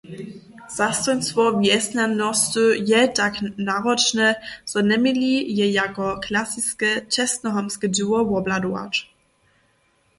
Zastojnstwo wjesnjanosty je tak naročne, zo njeměli je jako klasiske čestnohamtske dźěło wobhladować.